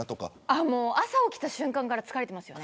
朝起きた瞬間から疲れています。